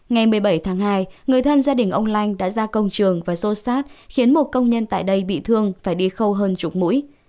ngày một mươi bảy tháng hai người thân gia đình ông lanh đã ra công trường và xô xát khiến một công nhân tại đây bị thương phải đi khâu hơn chục mũi